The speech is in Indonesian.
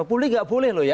publik tidak boleh loh ya